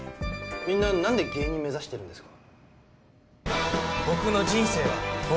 みんななんで芸人目指してるんですか？